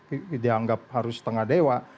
bicara lima orang yang dianggap harus setengah dewa